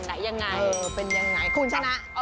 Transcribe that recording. จะไหนครับคุณชนะ